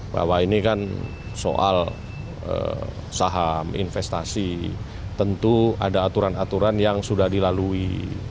bahwa ini kan soal saham investasi tentu ada aturan aturan yang sudah dilalui